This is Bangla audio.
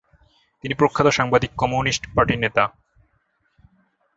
তিনি প্রখ্যাত সাংবাদিক, কম্যুনিস্ট পার্টির নেতা।